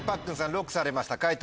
ＬＯＣＫされました解答